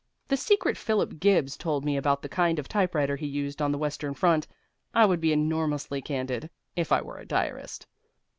The secret Philip Gibbs told me about the kind of typewriter he used on the western front. I would be enormously candid (if I were a diarist).